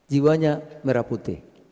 jiwanya merah putih